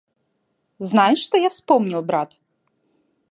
Знаешь, что я вспомнил, брат?